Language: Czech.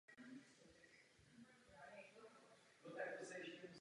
Bývalý lovecký zámeček nedaleko kostela byl adaptován na faru.